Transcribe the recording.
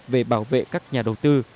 về bảo vệ các nhà đầu tư